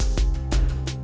aku mau pulang dulu ya mas